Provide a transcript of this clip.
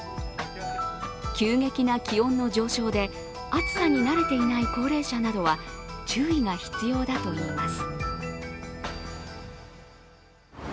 急激な気温の上昇で、暑さに慣れていない高齢者などは注意が必要だといいます。